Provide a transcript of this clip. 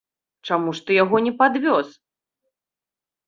Чаму ж ты яго не падвёз?